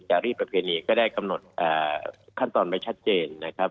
จารีสประเพณีก็ได้กำหนดขั้นตอนไว้ชัดเจนนะครับ